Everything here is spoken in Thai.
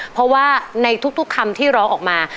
เพราะว่าในทุกคำที่ร้องออกมา